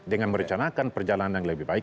dengan merencanakan perjalanan yang lebih baik